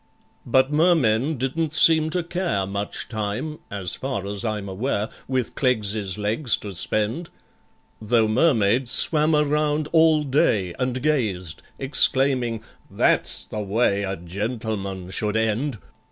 But Mermen didn't seem to care Much time (as far as I'm aware) With CLEGGS'S legs to spend; Though Mermaids swam around all day And gazed, exclaiming, "That's the way A gentleman should end!